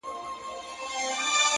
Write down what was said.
يې ه ځكه مو په شعر كي ښكلاگاني دي؛